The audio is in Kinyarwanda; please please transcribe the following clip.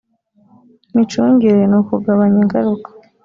micungire ni ukugabanya ingaruka